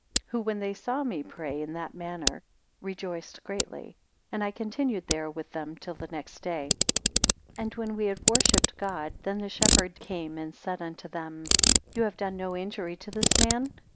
Who, when they saw me pray in that manner, rejoiced greatly: and I continued there with their till the next day. 105 And when we had worshipped God, then the shepherd came and said unto them: You have done no injury to this man?